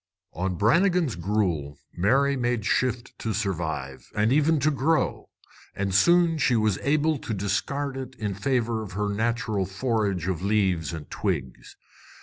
On Brannigan's gruel Mary made shift to survive, and even to grow, and soon she was able to discard it in favor of her natural forage of leaves and twigs.